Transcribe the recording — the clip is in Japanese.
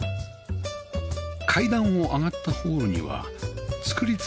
階段を上がったホールには作り付けの本棚